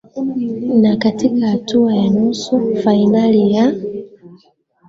na katika hatua ya nusu fainali ya